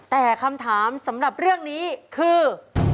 แต่คำถามสำหรับเรื่องนี้คือ